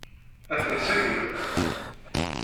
Ad ten-seggmen?